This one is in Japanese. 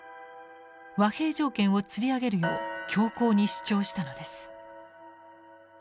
和平条件をつり上げるよう強硬に主張したのです。